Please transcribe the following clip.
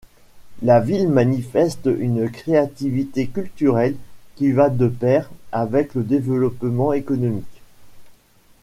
La ville manifeste une créativité culturelle qui va de pair avec le développement économique.